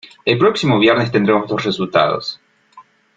El próximo viernes tendremos los resultados.